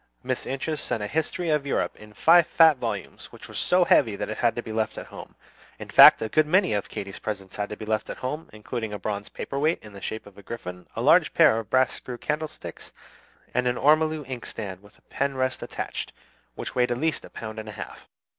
Miss Inches sent a "History of Europe" in five fat volumes, which was so heavy that it had to be left at home. In fact, a good many of Katy's presents had to be left at home, including a bronze paper weight in the shape of a griffin, a large pair of brass screw candlesticks, and an ormolu inkstand with a pen rest attached, which weighed at least a pound and a half.